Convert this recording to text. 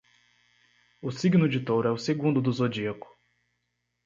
O signo de touro é o segundo do zodíaco